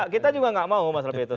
kita juga nggak mau mas raffi itu